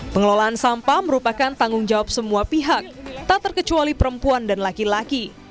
pengelolaan sampah merupakan tanggung jawab semua pihak tak terkecuali perempuan dan laki laki